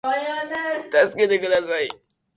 小学生には用のない場所。そこで僕らは何をしていたんだ。